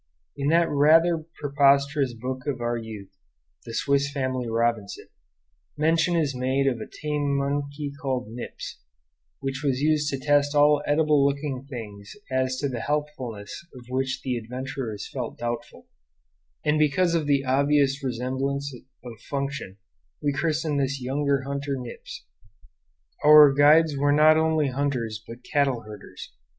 In that rather preposterous book of our youth, the "Swiss Family Robinson," mention is made of a tame monkey called Nips, which was used to test all edible looking things as to the healthfulness of which the adventurers felt doubtful; and because of the obvious resemblance of function we christened this younger hunter Nips. Our guides were not only hunters but cattle herders.